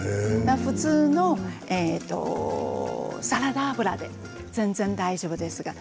普通のサラダ油で全然大丈夫です。